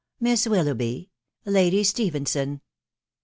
... Mjm Willoughby .... Lady Stephenson."